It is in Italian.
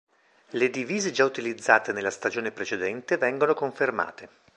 Le divise già utilizzate nella stagione precedente vengono confermate.